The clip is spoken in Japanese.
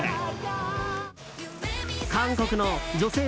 韓国の女性